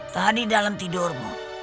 tadi dalam tidurmu